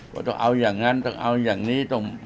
ว่าต้องเอาอย่างนั้นต้องเอาอย่างนี้